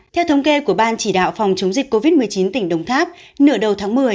theo thống kê của ban chỉ đạo phòng chống dịch covid một mươi chín tỉnh đồng tháp nửa đầu tháng một mươi